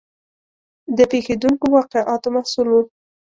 د پېښېدونکو واقعاتو محصول و.